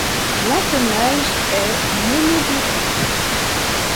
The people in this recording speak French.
L'empennage est mono-dérive.